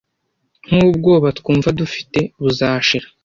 nkubwoba twumva dufite buzashira